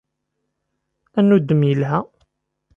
Annuddem ilha.